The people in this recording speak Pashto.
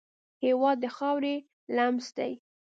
هېواد د خاورې لمس دی.